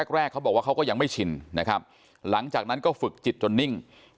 แรกเขาบอกว่าเขาก็ยังไม่ชินนะครับหลังจากนั้นก็ฝึกจิตจนนิ่ง